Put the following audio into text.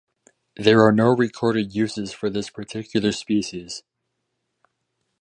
There are no recorded uses for this particular species.